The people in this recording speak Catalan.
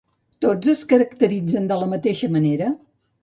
Tots es caracteritzen de la mateixa manera?